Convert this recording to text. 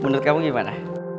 menurut kamu gimana